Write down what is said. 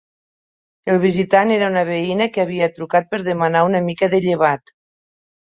El visitant era una veïna que havia trucat per demanar una mica de llevat.